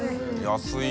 安い。